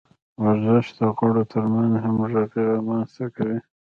ورزش د غړو ترمنځ همغږي رامنځته کوي.